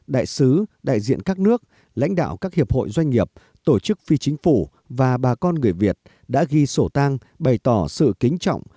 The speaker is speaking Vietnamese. đại sứ đại diện các nước lãnh đạo các hiệp hội doanh nghiệp tổ chức phi chính phủ và bà con người việt đã ghi sổ tang bày tỏ sự kính trọng